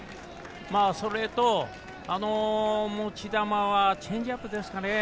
それと、持ち球はチェンジアップですかね。